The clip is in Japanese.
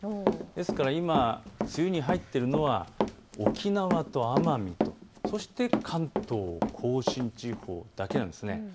ですから今、梅雨に入っているのは沖縄と奄美とそして関東甲信地方だけなんです。